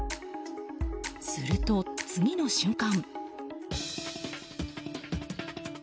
すると、次の瞬間。